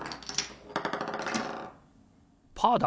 パーだ！